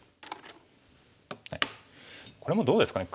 これもどうですかね